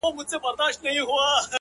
د هغه هر وخت د ښکلا خبر په لپه کي دي؛